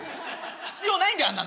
必要ないんだよあんなの。